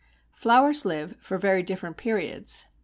Flowers live for very different periods.